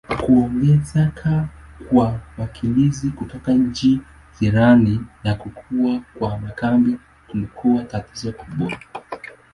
Kuongezeka kwa wakimbizi kutoka nchi jirani na kukua kwa makambi kulikuwa tatizo kubwa.